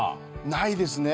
ないですね。